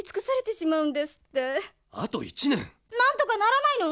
なんとかならないの？